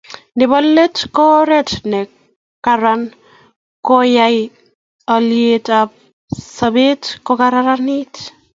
Nebo let ko oret ne karan koyae haliyet ab sabat kokaranit